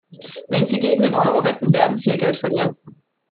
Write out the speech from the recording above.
Wenn Sie gegen den Euro wetten, werden Sie Ihr Geld verlieren.